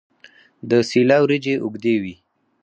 د سیله وریجې اوږدې وي.